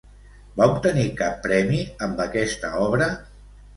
Va obtenir cap premi amb aquesta obra?